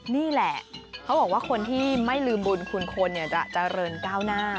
นี่แหละเขาบอกว่าคนที่ไม่ลืมบุญคุณคนจะเจริญก้าวหน้า